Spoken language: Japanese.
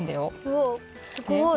おすごい。